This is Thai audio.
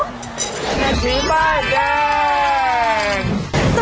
อย่าทิ้งมาแดง